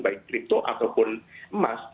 baik kripto ataupun emas